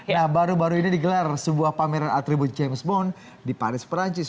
nah baru baru ini digelar sebuah pameran atribut james bond di paris perancis